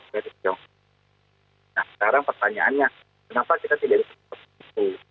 nah sekarang pertanyaannya kenapa kita tidak di desktop itu